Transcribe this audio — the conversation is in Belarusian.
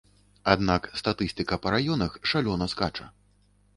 Аднак статыстыка па раёнах шалёна скача.